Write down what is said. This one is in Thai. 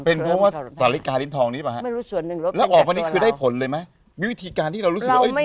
เป็นเพราะว่าสาฬิการิ้นทองนี้หรือเปล่าฮะไม่รู้ส่วนหนึ่งลดเป็นแค่ตัวเราแล้วออกมานี่คือได้ผลเลยมั้ยมีวิธีการที่เรารู้สึกว่าได้เลย